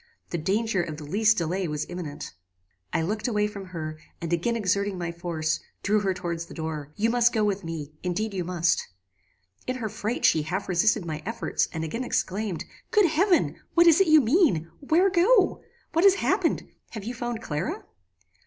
The danger of the least delay was imminent. "I looked away from her, and again exerting my force, drew her towards the door 'You must go with me indeed you must.' "In her fright she half resisted my efforts, and again exclaimed, 'Good heaven! what is it you mean? Where go? What has happened? Have you found Clara?"